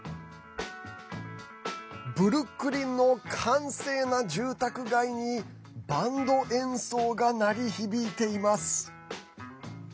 ブルックリンの閑静な住宅街にバンド演奏が鳴り響いています。